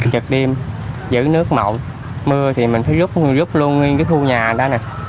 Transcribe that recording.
chật đêm giữ nước mộng mưa thì mình phải rút luôn nguyên cái khu nhà đó nè